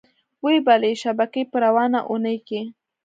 وې بلې شبکې په روانه اونۍ کې